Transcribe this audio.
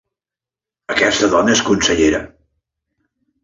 Aquesta dona és consellera?